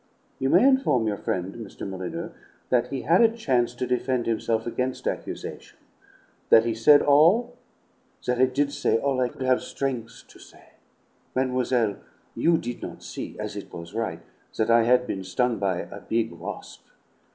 "You may inform your friend, Mr. Molyneux, that he had a chance to defend himself against accusation; that he said all " "That I did say all I could have strength to say. Mademoiselle, you did not see as it was right that I had been stung by a big wasp.